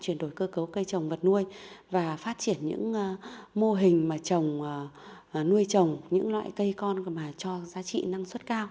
chuyển đổi cơ cấu cây trồng vật nuôi và phát triển những mô hình trồng nuôi trồng những loại cây con mà cho giá trị năng suất cao